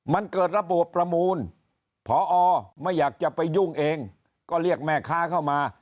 มันเกิดระบบประมูลพอไม่อยากจะไปยุ่งเองก็เรียกแม่ค้าเข้ามา